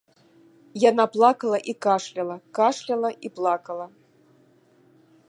Яна плакала і кашляла, кашляла і плакала.